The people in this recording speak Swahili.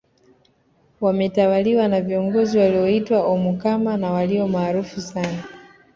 Wametawaliwa na viongozi walioitwa omukama na walio maarufu sana